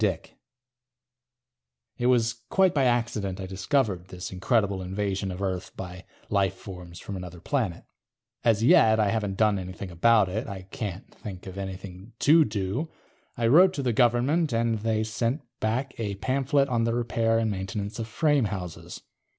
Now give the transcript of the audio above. DICK It was quite by accident I discovered this incredible invasion of Earth by lifeforms from another planet. As yet, I haven't done anything about it; I can't think of anything to do. I wrote to the Government, and they sent back a pamphlet on the repair and maintenance of frame houses.